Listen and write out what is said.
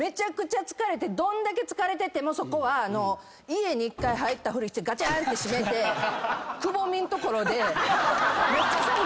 どんだけ疲れててもそこは家に１回入ったふりしてガチャンって閉めてくぼみん所でめっちゃ寒くて。